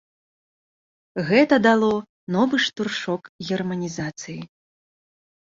Гэта дало новы штуршок германізацыі.